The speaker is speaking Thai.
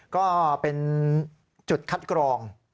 ก็เป็นจุดคัดกรอง